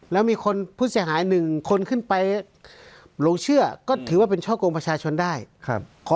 แล้วมีคนผู้เสียหายหนึ่งคนขึ้นไปหลงเชื่อก็ถือว่าเป็นช่อกงประชาชนได้ครับ